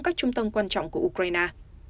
các trung tâm quan trọng của ukraine